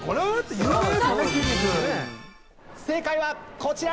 正解はこちら。